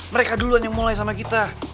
mereka duluan yang mulai sama kita